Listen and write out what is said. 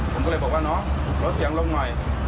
ผมก็เลยบอกว่าน้องลดเสียงลงหน่อย